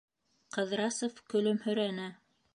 - Ҡыҙрасов көлөмһөрәне.